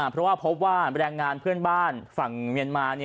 เพราะว่าพบว่าแรงงานเพื่อนบ้านฝั่งเมียนมา